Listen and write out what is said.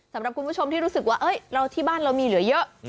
สำหรับคุณผู้ชมที่รู้สึกว่าที่บ้านเรามีเหลือเยอะ